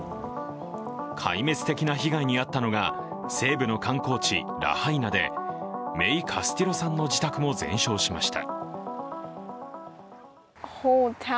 壊滅的な被害に遭ったのが西部の観光地ラハイナで、メイ・カスティロさんの自宅も全焼しました。